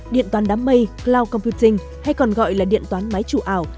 điện toán đám mây cloud compiting hay còn gọi là điện toán máy chủ ảo